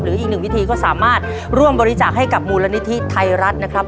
อีกหนึ่งวิธีก็สามารถร่วมบริจาคให้กับมูลนิธิไทยรัฐนะครับ